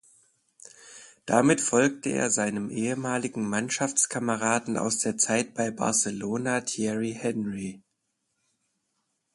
Damit folgte er seinem ehemaligen Mannschaftskameraden aus der Zeit bei Barcelona Thierry Henry.